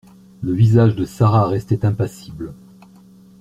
Le visage de Sara restait impassible